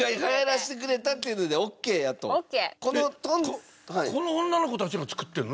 えっこの女の子たちが作ってるの？